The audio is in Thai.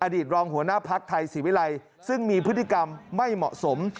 ตรองหัวหน้าภักดิ์ไทยศรีวิรัยซึ่งมีพฤติกรรมไม่เหมาะสม